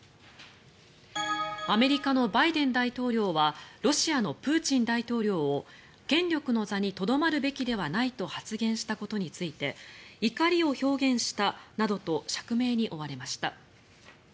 アメリカのバイデン大統領はロシアのプーチン大統領を権力の座にとどまるべきではないと発言したことについて怒りを表現したなどと釈明に追われました。